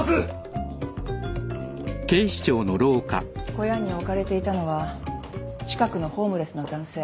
小屋に置かれていたのは近くのホームレスの男性。